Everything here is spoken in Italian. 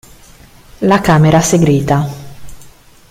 La camera segreta